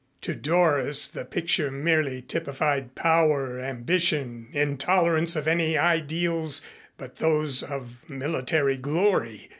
To Doris the picture merely typified power, ambition, intolerance of any ideals but those of military glory.